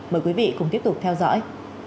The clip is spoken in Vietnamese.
mời quý vị cùng tiếp tục theo dõi